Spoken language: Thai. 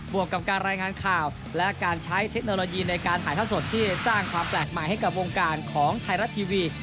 วกกับการรายงานข่าวและการใช้เทคโนโลยีในการถ่ายท่อสดที่สร้างความแปลกใหม่ให้กับวงการของไทยรัฐทีวี